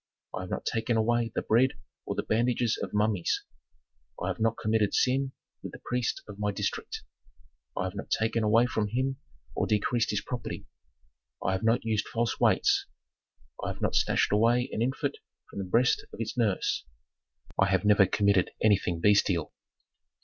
I have not taken away the bread or the bandages of mummies. I have not committed sin with the priest of my district. I have not taken from him or decreased his property. I have not used false weights. I have not snatched away an infant from the breast of its nurse. I have never committed anything bestial.